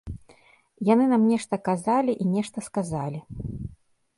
Яны нам нешта казалі і нешта сказалі.